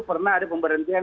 pernah ada pemberhentian